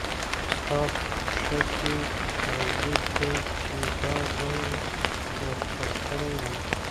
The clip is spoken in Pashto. ستا پښه كي پايزيب دی چي دا زه يې ولچك كړی يم